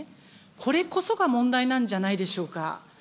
これこそが問題なんじゃないでしょうか。